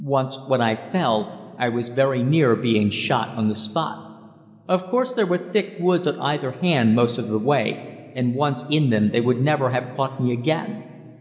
Once, when I fell, I was very near being shot on the spot. Of course there were thick woods on either hand most of the way, and once in them they would never have caught me again.